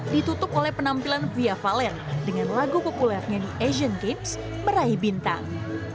ditutup oleh penampilan fia valen dengan lagu populernya di asian games meraih bintang